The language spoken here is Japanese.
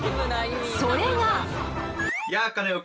それが。